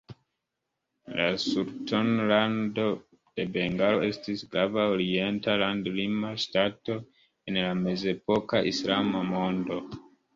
La Sultanlando de Bengalo estis grava orienta landlima ŝtato en la mezepoka Islama mondo.